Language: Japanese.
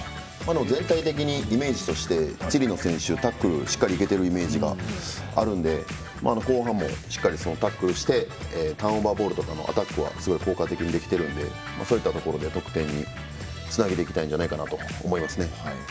全体的にイメージとしてチリの選手タックルしっかりいけてるイメージがあるので後半もタックルしてターンオーバーボールとかのアタックは効果的にできているのでそういったところで得点につなげていきたいんじゃないかなと思いますね。